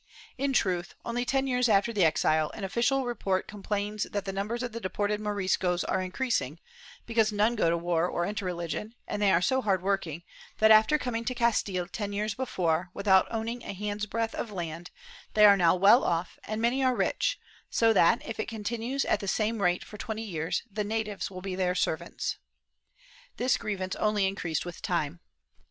^ In truth, only ten years after the exile, an official report complains that the numbers of the deported Moriscos are increasing, because none go to war or enter religion, and they are so hard working that, after coming to Castile ten years before, without owning a handsbreadth of land, they are now well off and many are rich, so that, if it continues at the same rate for twenty years, the natives will be their servants. This grievance only increased with time.